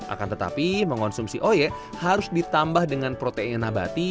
akan tetapi mengonsumsi oyek harus ditambah dengan protein abadi